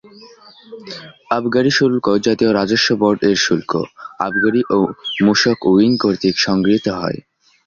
আবগারি শুল্ক জাতীয় রাজস্ব বোর্ডএর শুল্ক, আবগারি ও মূসক উইং কর্তৃক সংগৃহীত হয়।